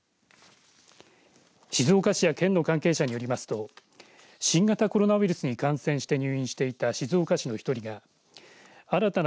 静岡市や県の関係者によりますと新型コロナウイルスに感染して入院していた静岡市の１人が新たな